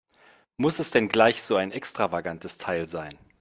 Muss es denn gleich so ein extravagantes Teil sein?